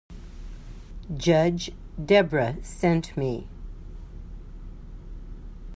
Judge Debra sent me.